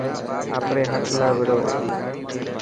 آپري حق لاءِ وڌو.